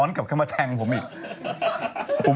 อย้อนกับคำวาแทงของผมอีก